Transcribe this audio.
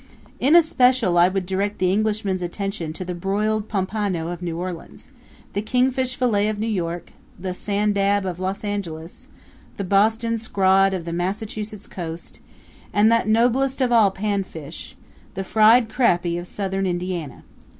In especial I would direct the Englishman's attention to the broiled pompano of New Orleans; the kingfish filet of New York; the sanddab of Los Angeles; the Boston scrod of the Massachusetts coast; and that noblest of all pan fish the fried crappie of Southern Indiana.